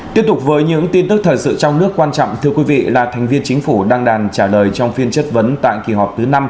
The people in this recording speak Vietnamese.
tiếp tục với những tin tức thời sự trong nước quan trọng thưa quý vị là thành viên chính phủ đăng đàn trả lời trong phiên chất vấn tại kỳ họp thứ năm